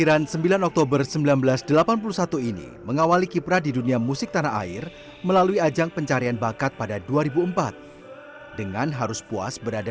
jangan lupa jangan lupa jangan lupa